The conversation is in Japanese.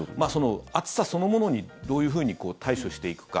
暑さそのものにどういうふうに対処していくか。